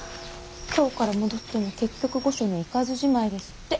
京から戻っても結局御所には行かずじまいですって。